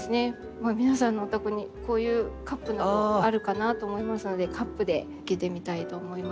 皆さんのお宅にこういうカップなどあるかなと思いますのでカップで生けてみたいと思います。